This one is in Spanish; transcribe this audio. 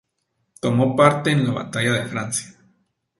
Tomó parte en la Batalla de Francia.